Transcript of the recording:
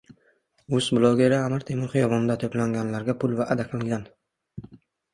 Rus blogeri Amir Temur xiyobonida to‘planganlarga pul va’da qilgan